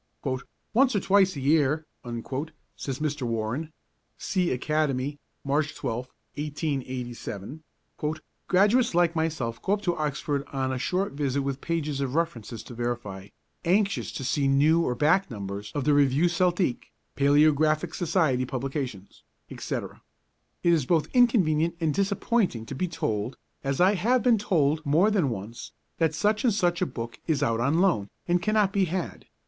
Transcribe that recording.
'Once or twice a year,' says Mr. Warren (see Academy, March 12, 1887), 'graduates like myself go up to Oxford on a short visit with pages of references to verify, anxious to see new or back numbers of the Revue Celtique, Palæographical Society publications, &c. It is both inconvenient and disappointing to be told, as I have been told more than once, that such and such a book is out on loan, and cannot be had.